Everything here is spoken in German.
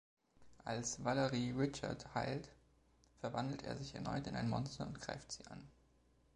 Als Valerie Richard heilt, verwandelt er sich erneut in ein Monster und greift sie an.